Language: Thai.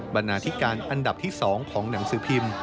นาธิการอันดับที่๒ของหนังสือพิมพ์